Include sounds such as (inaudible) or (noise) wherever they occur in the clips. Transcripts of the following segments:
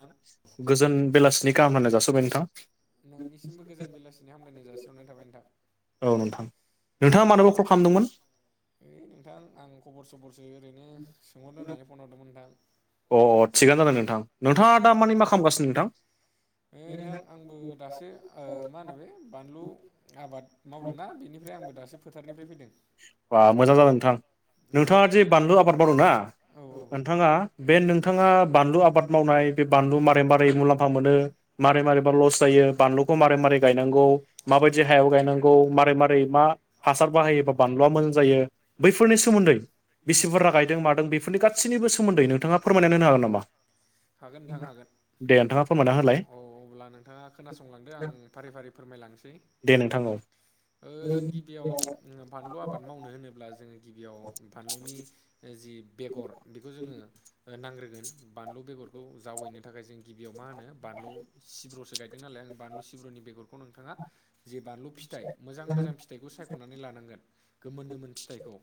नोंथां गोजोन बेलासिनि गाहाम होननानै जासिहरबाय नोंनिसिमबो गोजोन नोंथां। बेलासिनि हामलायनाय जासिनाय औ नोंथां नोंथाङा मानोबा कल खालामदोंमोन ओइ नोंथां आं खबर सबरसो ओरैनो सोंहरदों होननानै फन हरदोंमोन नोंथां अ अ थिगानो जादों नोंथां नोंथाङा दा मानिे मा खालामगासिनो नोंथां ओ नोंथां आंबो दासो ओ मा होनो बे बानलु आबाद मावदोंना बेनिफ्राय आंबो दासो फोथारनिफ्राय फैदों बा मोजां जादों नोंथां औ नोंथाङा जे बानलु आबाद मावदों ना औ नोंथाङा बे नोंथाङा बानलु आबाद मावनाय बे बानलु मारै मारै मुलाम्फा मोनो मारै मारै मा लस जायो बानलुखौ मारै मारै गायांगौ माबायदि हायाव गायनांगौ मारै मारै म हासार बाहायोबा बानलुआ मोज जायो बैफोरनि सोमोन्दै बिसिबुरजा गायदों मादों बेफोरनि गासैनिबो सोमोन्दै नोंथाङा फोरमायना होनो हागोन नामा हागोन नोंथां हागोन दे नोंथाङा फोरमायना होलाय औ अब्ला नोंथाङा खोनासंलांदो आं फारि फारि फोरमायलांसै दे नोंथां औ जों गिबियाव फानलु आबाद मावनो होनोब्ला जोङो गिबियाव बानलुनि जि बेगर बेखौ जोङो नांग्रोगोन बानलु बेगरखौ जावैनो थाखाय जों गिबियाव मा होनो बानलु सिब्र'सो गायदों नालाय आं बानलु सिब्र'नि बेगरखौ नोंथाङा जे बानलु फिथाइ मोजां मोजां फिथाइखौ सायख'नानै लानांगोन गोमोन गोमोन फिथाइखौ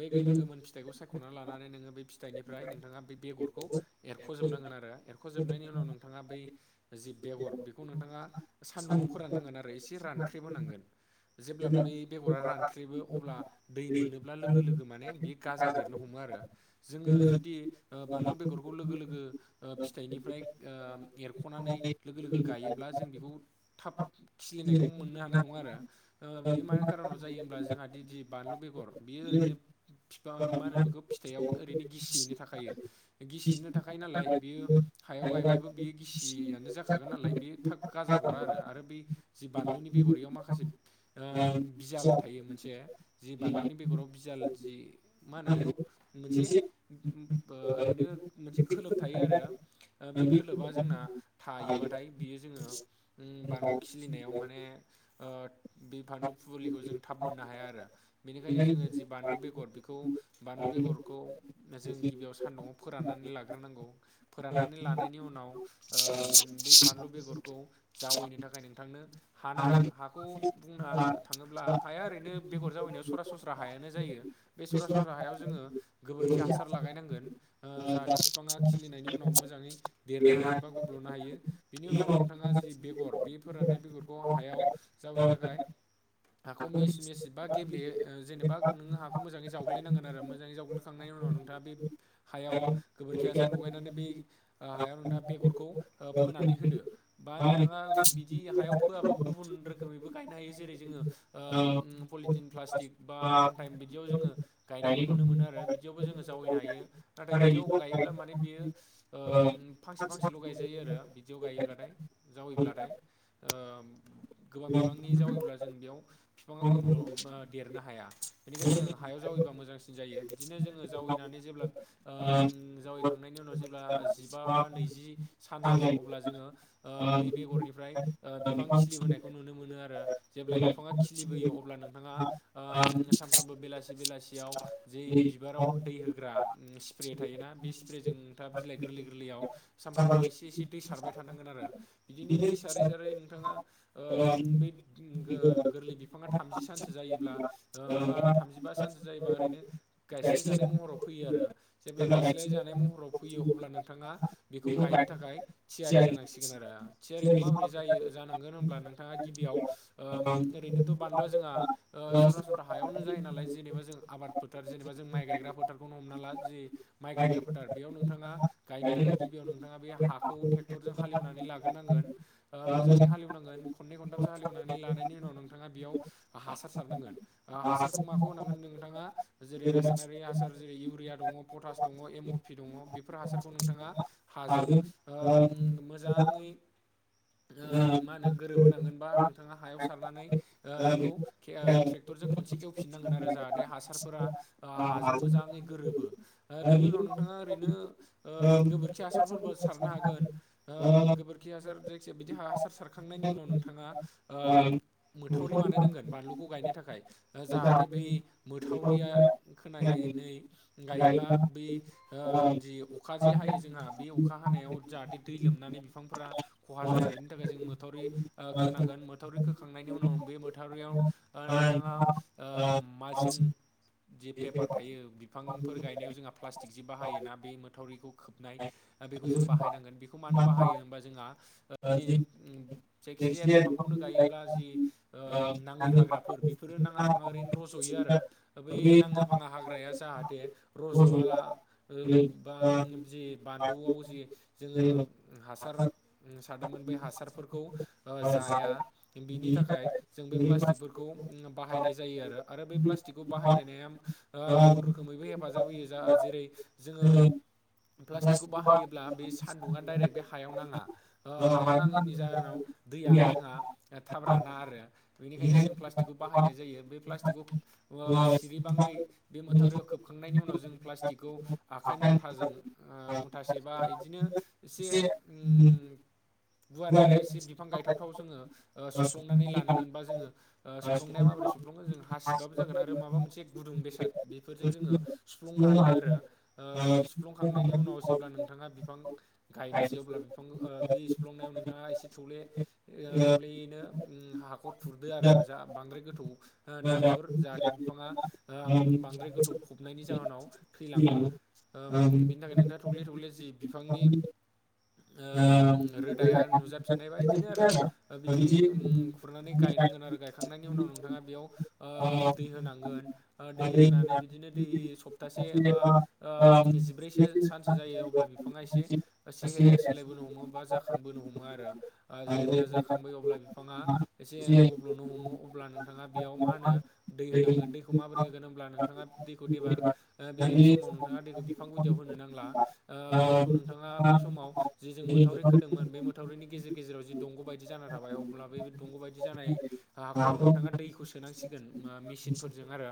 बे गोमोन गोमोन फिथाइखौ सायख'नानै लानानै नोङो बे फिथाइनिफ्राय नोंथाङा बे बेगरखौ एरख'जोबनांगोन आरो एरख'जोबनायनि उनाव नोंथाङा बै जि बेगर बेखौ नोंथाङा सान्दुङाव फोराननांगोन आरो एसे रानख्रेबहोनांगोन जेब्ला बे बेगरा रानखेबो अब्ला दै मोनोब्ला लोगो लोगो माने बे गाजा बेरनो हमो आरो जोङो जुदि ओ बानलु बेगरखौ लोगो लोगो ओ फिथाइनिफ्राय ओ एरख'नानै लोगो लोगो गायोब्ला जों बेखौ थाब खिलिनायखौ मोननो हानाय नङा आरो ओ बे मानाय खारनाव जायोब्ला जोंहा दिदि बानलु बेगर बियो ओरैनो बिफां मा होनो बेखौ फिथायाइाव ओरैनो गिसियैनो थाखायायो गिसिैनो थाखाय नालाय बियो हायाव गायबाबो बेयो गिसियानो जाखागोन नालाय बेयो थाब गाजा हरा आरो बै जि बानलुनि बेगरयाव माखासे ओ बिजाल थायो मोनसे जि बानलुनि बेगराव बिजाल जि मा होनो बेखौ मोन ओरैनो मोनसे खोलोब थायो आरो बे खोलोबा जोंना थायोबाथाय बियो जोङो बानलु खिलिनायाव माने बे बानलु फुलिखौ जों थाब मोननो हाया आरो बेनिखायनो जोङो जि बानलु बेगर बेखौ बानलु बेगरखौ जों गिबियाव सान्दुंङाव फोराननानै लाग्रोनांगौ फोराननानै ला हानायनि उनाव ओ बे फानलु बेगरखौ जावैनो थाखाय नोंथांनो हानांगोन। हाखौ बुंनो थाङोब्ला हाया ओरैनो बेगर जाबैनायाव सरासनस्रा हायानो जायो बे सरासनस- बिफां राहायाव जोङो गोबोरखि हासार लागायनांगोन जाहाथे बिफाङा खिलिनायनि उनाव मोजाङै- देरनो हायो बा गब्ल'नो हायो बिनि उनाव नोंथाङा जि बेगर बे फोराननाय बेगरखौ हायाव जावैनो थाखाय हाखौ मिस मिस बा गेब्ले जेनेबा नोंङो हाखौ मोजाङै जावग्लिनांगोन आरो मोजाङै जावग्लिखांनायनि नि उनाव नोंथाङा बे हायाव गोबोरखि हासार लगायनानै बे- हायाव नोंथाङा बेगरखौ फोनानै होदो बा नोंथाङा बिदि हायाव फोआबाबो गुबुन- गुबुन रोखोमैबो गायनो हायो जेरै जोङोओ पलिटिन प्लास्टिक बा अ वान टाइम बिदियाव जोङो- गायनायखौ नुनो मोनो आरो बिदियावबो जोङो जावैनो हायो नाथाय बिदियाव गायोब्ला माने बियो- ओ फांसे फांसेल' गायजायो आरो बिदियाव गायोब्लाथाय जावैब्लाथाय ओ गोबां बिबांनि जावैब्ला जों बेयाव बिफाङा गब्ल' देरनो हाया। बेनिखायनो जोङो हायाव जावैबा मोजांसिन जायो बिदिनो जोङो जावैनानै जेब्ला ओ उम जावैखां खांनायनि उनाव जेब्ला जिबा बा नैजि सान जायो अब्ला जोङो ओ बेै बेगरनिफ्राय ओ बिफां खिलिबोनायखौ नुनो मोनो आरो जेब्ला बिफाङा खिलिबोयो अब्ला नोंथाङा ओम सानफ्रोमबो बेलासि बेलासियाव जे बिबाराव दै होग्रा स्प्रे थायोना बे स्प्रेजों नोंथाङा बिलाइ गोरलै गोरलैयाव सानफ्रामबो एसे एसे दै सारबाय थानांगोन आरो बिदिनो दै सारै सारै नोंथाङा ओम बे गोर गोरलै बिफाङा थामजि सानसो जायोब्ला ओ बा थामजिबा सानसे जायोबा ओरैनो गायस्लायजानाय महराव फैयो आरो जेब्ला गायस्लाय जानाय महराव फैयो अब्ला नोंथाङा बेखौ गायनो थाखाय थियारि जानांसिगोन आरो थियारिखौ माबोरै जायो जानांगोन होन नोंथाङा गिबियाव ओम‌ ओरैनोथ' बानलुआ जोंहा‌ ओ सरासनस्रा हायावनो जायो नालाय जेनेबा जों आबाद फोथार जेनेबा जों माइ गायग्रा फोथारखौनो हमना ला जि माइ गायग्रा फोथार बेयाव नोंथाङा गायनो थाखाय गिबियाव नोंथाङा बे हाखौ ट्रेक्टरजों हालेवनानै लाग्रोनांगोन ओ‌ मोजाङै हालेवनांगोन नांगोन खननै खनथामसो हालेवना लानायनि उनाव नोंथाङा बेयाव हासार सारनांगोन ओ हासारखौ माखौ होना नोंथाङा जेरै‌ रासायनारि हासार जेरै इउरिया दंङ, पतास दंङ, एमपि दंङ‌ बि हासारखौ नोंथाङा हाजों ओम मोजाङै ओ मा होनो गोरोबहोनांगोन बा नोंथाङा हायाव सारनानै बेखौ ट्रेक्टर ट्रेक्टरजों खनसे एवफिननांगोन आरो जाहााथे हासारफोरा ओ हाजों मोजाङै गोरोबो ओ बिनि उनाव नोंथांङा ओरैनो ओ‌म गोबोरखि हासारफोरबो सारनो हागोन‌ ओ गोबोरखि हासार जायखिजाया बिदि हासार सारख थांनायनि‌ उनाव नोंथाङा ओ मोथावरि‌ बानाय नांगोन बलुखौ गायनो थाखाय जाहाथे बे बै मोथावरिया खोनानानै गायोब्ला बै ओ जि अखा जे हायो जोंहा बे अखा हानायाव जाहाथे दै लोमनानै बिफांफोरा खहा जाया बेनि थाखाय जों मोथौ थावरि खोनांगोन मोथावरि खोखांनायनि उनाव बे मोथावरियाव नोंथाङाओम मालसिं जि पेपार थायो बिफांफोर गायनायाव जोंहा प्लास्टिक जि बाहायोना बे माथावरिखौ खोबनाय ओ बेखौ जों बाहायनांगोन बेखौ मानो बाहायो होनबा जोंहा (unintelligible) जायखिजाया बिफांखौनो गायो अब्ला जि ओम नाङै हाग्राफोर बेफोरो नाङा फाङा ओरैनो रज'यो आरो। बै नाङा फाङा हाग्राया जाहाथे रज'वाला (unintelligible) बा जि बानलुआव जि जोङो हासार सारदोंमोन बै हासारफोर खौ ओ जाया बिनि थाखाय जों बे प्लास्टिकफोरखौ बाहायनाय जायो आरो आरो बै प्लास्टिकखौ बाहायनाया ओ गुबुन रोखोमैबो हेफाजाब होयो जा जेरै जोङो प्लास्टिकखौ बाहायोब्ला बे सान्दुंङा डाइरेक्ट बे हायाव नाङा ओ हायाव नाङैनि जाहोनाव दैया जोंहा थाब राना आरो बेनिखायनो जों प्लास्टिकखौ बाहायनाय जायो बे प्लास्टिकखौ ओ सिरिबाङै बे मोथावरियाव खोबखांनायनि उनाव जों प्लास्टिकखौ आखाइ मथ मुथाजों ओ मुथासे बा इदिनो एसे उम गुवारै आरो एसे बिफां गायथावथाव जोङो ओ सौफ्लंनानै लानांगोन बा जोङो ओ सफ्लंनाया माबोरै सौफ्लङगोन जों हासिबाबो जागोन आरो माबा मोनसे गुदुं बेसाद बेफोरजों जोङो सुफुंनो हायो आरो ओ सिुफ्लंखांनायनि उनाव जेब्ला नोंथाङा बिफां गायनोसै अब्ला बिफांखौ ओ दै सिुफ्लंनायाव नोंथाङा एसे थैले ओ थौलेयैनो उम हाखर खुरदो आरो जा बांद्राय गोथौ ओ दा खुर फोर जाहाथे बिफाङा ओम बांद्राय गोथौ फबनायनि जाहोनाव थैलाङो। ओम बिनि थाखाय नोंथाङा थौले थौले जि बिफांनि ओ रोदाया नुजाफिननायबा बिदिनो आरो (unintelligible) ओ बिदि उम खुरनानै गायनांगोन आरो गायखांनायनि उनाव नोंथाङा बेयाव ओ दै होनांगोन। ओ दै होनानै बिदिनो दै सप्तासे एबा ओम जिब्रैसो सानसो जायो अब्ला बिफाङा एसे सेहेराया सोलायबोन हमो अबेबा जाखां खांबोनो हमो आरो ओ जेब्ला जाखांबो अब्ला बिफाङा एसे ओं गब्ल'नो हमो अब्ला नोंथाङा बेयाव मा होनो दै होनांगोन दैखौ माबोरै होगोन होनब्ला नोंथाङा दैखौ देबार ओ बे समाव नोंथाङा दैखौ बिफां गुदियाव होनो नांला ओ दैखौ नोंथाङा बे समाव। जि जों माथावरि खोदोंमोन बे मोथावरिनि गेजेर। गेजेराव जि दंग' बायदि जाना थाबाय अब्ला बे दंग' बायदि जानाय आ हाखराव नोंथाङा दैखौ सो। सोनांसिगोन ओ मेसिनफोरजों आरो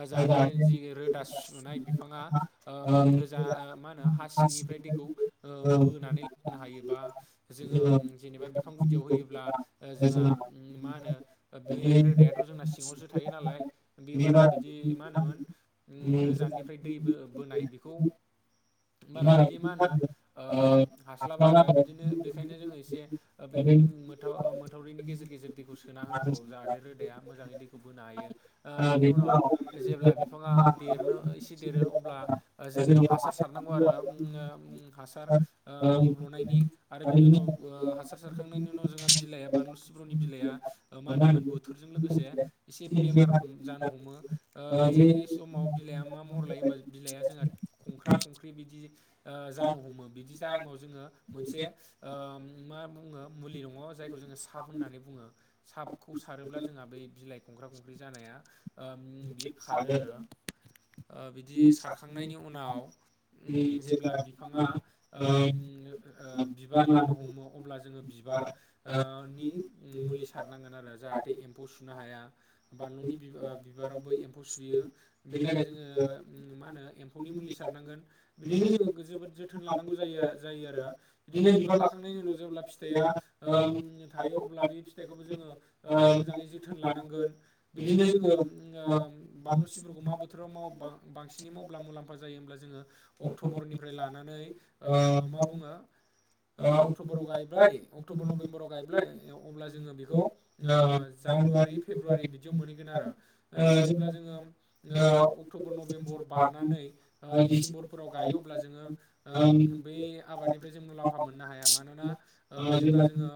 ओ जाहाथे जि रोदा सुनाय बिफाङा ओ गोजा ओ मा होनो हा सिंनिफ्राय दैखौ ओ बोनानै लनो हायोबा जोंङो जेनेबा बिफां गुदियाव होयोब्ला ओ जोंहा। श मा होनो बै रोदायाथ' जोंना सिङावसो थायो नालाय। बे बारा बा बिदि मा थां। होनोमोन गोजाननिफ्राय दै बो बोनाय बेखौ। बारा बिदि मा होनो ओ हास्लाबा आरो बिदिनो बेखायनो जोंङो एसे ओ बे। मोथाव मोथावरैनि गेजेर गेजेर दैखौ सोना होनांगौ जाहाथे रोदाया मोजाङै दैखौ बोनो हायो। ओ बेनि उनाव जेब्ला बिफाङा देरनो एसे देरो अब्ला। ओ जोंनियाव हासार सारनांगौ आरो ओ उ हासार। ओ गब्ल'नायनि आरो बिनि उनाव ओ हासार सारखांनायनि उनाव जोंहा बिलाइआ बानलु सिब्र'नि बि। बिलाया मा होनोमोन बोथोरजों लोगोसे। एसे बेमार जानो हमो ओ बै समाव बिलाइआ मा महर लायो होमबा। बिलाइआ जोंहा खंख्रा खंख्रि बिदि ओ जानो हमो बिदि टाइमाव जोङो मोनसे ओ मा बुङो मुलि दङ जायखौ जोंङो साब होननानै बुङो साखौ सारोब्ला जोंहा बे बिलाइ खंख्रा खंख्रि जानाया ओ उ बियो खारो आरो ओ बिदि सारखांनायनि उनाव। उ जेब्ला बिफाङा। ओम ओ बिबार लानो हमो अब्ला जो़ङो। बिबार ओ नि मुलि सारनांगोन आरो जाहाथे एम्फौ सुनो हाया बानलुनि। बिबा बिबाराव बै एम्फौ सुयो बेनि थाखाय जोङो उ मानो। होनो एम्फौनि मुलि सारनांगोन बिदिनो जोंङो जोबोद जोथोन लानांगौ जायो जायो आरो। बिदिनो बिबार लाखांनायनि उनाव जेब्ला फिथाइआ ओ उ थायो अब। अब्ला बे फिथाइखौबो जोंङो ओ मोजाङै जोथोन लानांगोन बिदिनो जोङो ओ। बानलुसिब्रखौ मा बोथोराव माुवोबा बांसिन। नि मावब्ला मुलाम्फा जायो हब्ला जोङो अक्ट'बरनिफ्राय लानानै ओ मा बुङो (inaudible) ओ अक्ट'बराव गायबाय अक्ट'बर नभेम्बराव गायबाय अब्ला जोङो बेखौ ओ जानुवारि। श जानुवारि फेबरुवारि बिदियाव मोनहैगोन आरो। ओ जेब्ला जोंङो ओ अक्ट'बर नभेम्बर बारनानै ओ डिसेम्बरफोराव गायो। अब्ला जोंङो ओ बै आबादनिफ्राय जों मुलाम्फा मोननो हाया मानोना। ओ जेब्ला जोंङो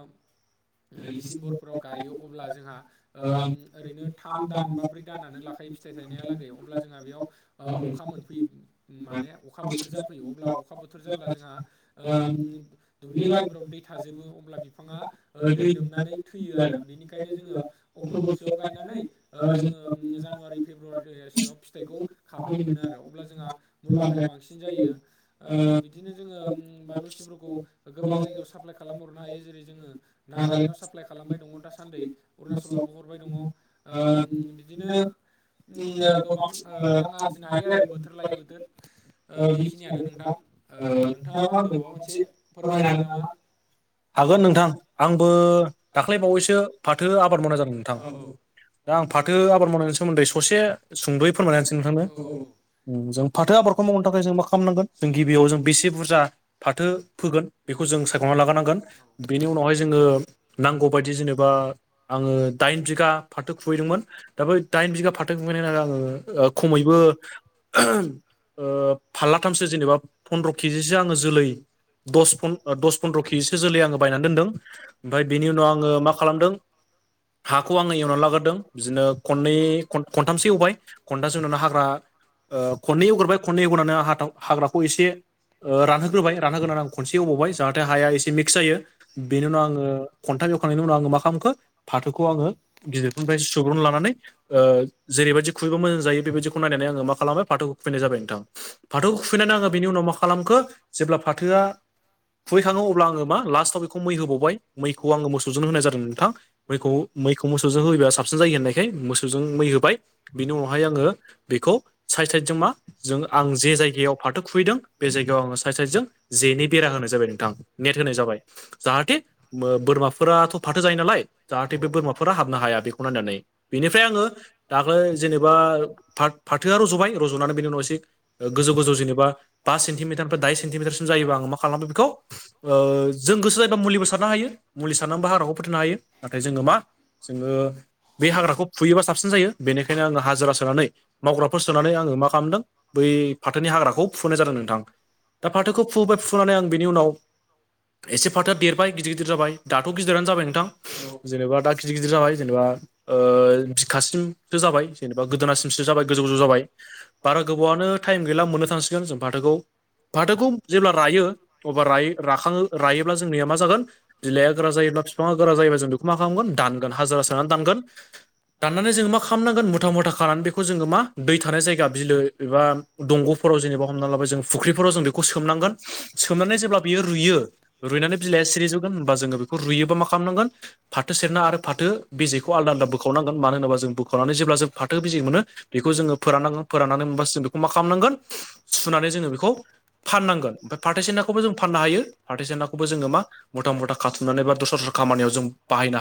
डिसेम्बरफोराव गायो अब्ला जोंहा ओ उ ओरैनो थाम दान बा ब्रै दानानो लखायो फिथाइ थाइनायालागै अब्ला जोंहा बेयाव ओ अखा मोनफैयो माने अखा बोथोर जाफैयो अब्ला अखा बोथोर जाब्ला जोंहा ओम। दुब्लि बारिफोराव दै थाजोबो अब्ला बिफाङा दै लोमनानै थैयो आरो बेनिखायनो जोंङो अक्ट'बरसोआव गायनानै जोंङो जानुवारि फेब्रुवारिसोआव फिथाइखौ खाफैनो मोनो आरो अब्ला जोंहा मुलाम्फाया बांसिन जायो ओ बिदिनो जोंङो बालुसिफोरखौ गोबां जायगायाव साफ्लाइ खालाम हरनो हायो जेरै जोंङो नागालेण्डआव साप्लाइ खालाम खालामबाय दङ दासान्दि अरुणचलावबो हरबाय दङ ओम बिदिनो उम जोंनिया गोबां ओ रां हरो (unintelligible) आरजिनो हायो आरो बोथोर लायै बोथोर ओ बेखिनियानो नोंथां ओ नोंथाङाबा आंनो माबा मोनसे फोरमायनो हागोन नामा? हागोन नोंथां आंबो दाख्लैबावैसो फाथो आबाद मावनाय जादों नोंथां। औ औ। दा आं फाथो आबाद मावनायनि सोमोन्दै ससे सुंद'यै फोरमायनानै होसै औ जों फाथो आबादखौ मावनो थाखाय जों मा खालामनांगोन जों गिबियाव जों बेसे बुरजा फाथो फोगोन बेखौ जों सायख'नानै लागारानांगोन। औ बेनि उनावहाय जोङो नांगौबायदि जेनेबा आङो दाइन बिघा फाथो खुबैदोंमोन। दा बै दाइन बिघा फाथो खैनानै आङो खमैबो ओ फारलाथामसो जेनेबा फन्द्र' केजिसो आङो जोलै दस फन दस फन्द्र' केिज सो जोलै आङो बायनानै दोनदों ओमफ्राय बेनि उनाव आङो मा खालामदों हाखौ आङो एवनानै लाग्रोदों बिदिनो खनै खनथामसो एवबाय खनथाम खनथाम सोनि उनाव हाग्रा खननै हगारबाय खननै हगारनानै हाथा हाग्राखौ एसे रानहोग्रोबाय रानहोग्रोनानै आं खनसे अबावबाय जाहाथे हाया एसे मिक्स जायो। बेनि उनाव आङो खन्थाइ जवखांनायनि उनाव आङो मा खालामखो फाथोखौ आङो गिदिरफोरनिफ्राय सुबुग्रन लाबाइ नानै जेरैबायदि खुबैबा मोजां जायो बेबायदिखौ नायनानै आङो मा खालामबाय फाथौखौ खुबैनायाबाय नोंथां बाथौखौ खुफैनानै आङो बेनि उनाव मा खालामखो जेब्ला फाथोआ खुहैखाङो अब्ला आङो मा लाटआव बेखौ मै होबावबाय मैखौ आङो मोसौजोंनो होनाय जादों नोंथां मैखौ मैखौ मोसौजों होयोबा साबसिन जायो दै होननायखाय मोसौजों मै होबाय बिनि उनावहाय आङो बेखौ साइड साइडजों मा जों आं जे जायगायाव फाथो खुबैदों बे जायगायाव आङो साइड साइडजों जेनि बेरा होनाय जाबाय नोंथां नेट होनाय जाबाय जाहाथे बोरमाफोराथ' फाथो जायो नालाय जाहाथे बे बोरमाफोरा हाबनो हाया बेखौ नायनानै बेनिफ्राय आङो दाख्लै जेनेबा फाथोआ रज'बाय रज'नानै बेनि उनाव एसे गोजौ गोजौ जेनेबा बास सेन्टिमिटारनिफ्राय दाइ सेन्टिमिटारसिम जायोबा आं मा खालाम बेखौ ओ जों गोसो जायोबा मुलिबो सारनो हायो मुलि सारनानैबो हाग्र्राखौ फोथैनो हायो नाथाय जोङो मा जोङो बे हाग्राखौ फुयोबा साबसिन जायो बेनिखायनो आङो हाजिरा सोनानै मावग्राफोर सोनानै आङो मा खालामदों बै फाथोनि हाग्राखौ फुनाय जादों नोंथां दा फाथोखौ फुबाय फुनानै आं बिनि उनाव एसे फाथोआ देरबाय गिदिर गिदिर जाबाय दाथ' गिदिरानो जाबाय नोंथां औ जेनेबा दा गिदिर गिदिर जाबाय जेनेबा ओ बिखाासिमसो जाबाय जेनेबा गोदोनासिम जाबाय गोजौ गोजौ जाबाय बारा गोबावआनो टाइम गैला मोननो थांसिगोन जों फाथोखौ फाथोखौ जेब्ला रायो अब्ला रायो राखाङो रायोब्ला जोंनिया मा जागोन बिलाइाया गोरा जायोब्ला बिफाङा गोरा जायोब्ला जों बेखौ मा खालामगोन दानगोन हाजिरा सोनानै दानगोन दाननानै जोङो मा खालामनांगोन मुथा मुथा खानानै बे खौ जोङो मा दै थानाय जायगा बिलो एबा दंग'फोराव जेनेबा हमनानै लाबाय जों फुख्रिफोराव जों बेखौ सोमनां गो सोमनानै जेब्ला बियो रुयो रुइनानै बिलाइया सिरिजोबगोन होनबा जोङो बेखौ रुयोबा मा खालामनांगोन फाथो सेरना आरो फाथो बिजेखौ आदा होना बोखावनांगोनानो होनोबा जों बोखावनानै जेब्ला जों फाथो बिजि मोनो बेखौ जोङो फोराननांगोन फोराननानै मोनबासो जों बेखौ मा खालामनांगोन सुनानै जोङो बेखौ फाननांगोन। ओमफ्राय फाथैसनाखौबो जों फाननो हायो। फाथो सेरनाखौबो जोङो मा मथा मुा खाथुमनानै बा दस्रा दस्रा खामानियाव जों बाहायनो हायो